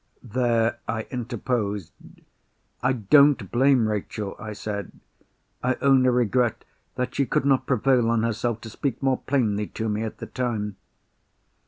There I interposed. "I don't blame Rachel," I said. "I only regret that she could not prevail on herself to speak more plainly to me at the time."